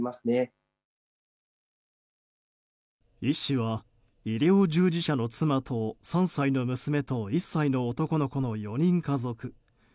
医師は、医療従事者の妻と３歳の娘と１歳の男の子の４人家族。